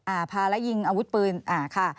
อ่าพาและยิงอาวุธปืนอ่าค่ะ